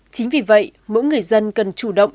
chính vì vậy mỗi người dân cần chủ động